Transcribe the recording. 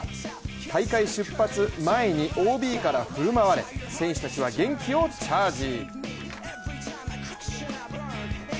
大会出発前にＯＢから振る舞われ、選手たちは元気をチャージ。